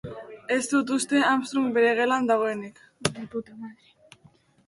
Ez dut uste Armstrong bere gelan dagoenik.